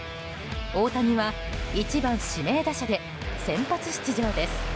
大谷は１番指名打者で先発出場です。